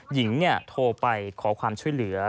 หญิงโทรไปขอความช่วยเหลือ